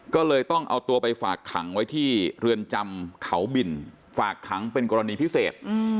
ก็เลยต้องเอาตัวไปฝากขังไว้ที่เรือนจำเขาบินฝากขังเป็นกรณีพิเศษ